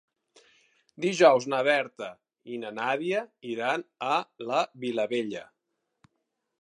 Dijous na Berta i na Nàdia iran a la Vilavella.